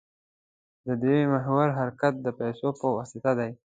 د دې محور حرکت د پیسو په واسطه دی.